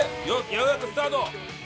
ようやくスタート！